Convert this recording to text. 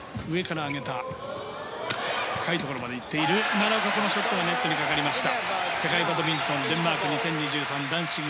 奈良岡のショットネットにかかりました。